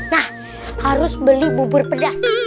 nah harus beli bubur pedas